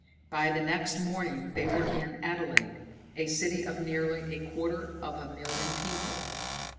By the next morning they were in Adelaide, a city of nearly a quarter of a million people.